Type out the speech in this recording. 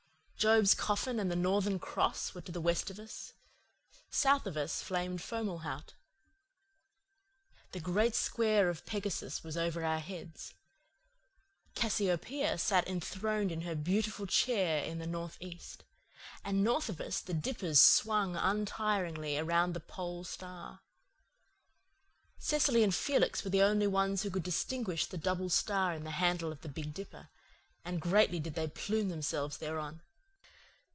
Job's Coffin and the Northern Cross were to the west of us; south of us flamed Fomalhaut. The Great Square of Pegasus was over our heads. Cassiopeia sat enthroned in her beautiful chair in the north east; and north of us the Dippers swung untiringly around the Pole Star. Cecily and Felix were the only ones who could distinguish the double star in the handle of the Big Dipper, and greatly did they plume themselves thereon.